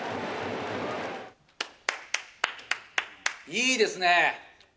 いいですね。